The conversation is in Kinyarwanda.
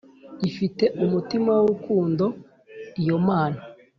Ifite umutima w’urukundo iyomana